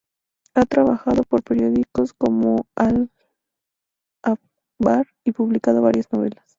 Ha trabajado para periódicos como Al-Akhbar y publicado varias novelas.